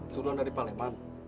suruhan dari pak leman